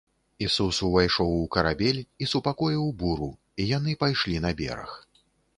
Ісус увайшоў у карабель і супакоіў буру, і яны пайшлі на бераг.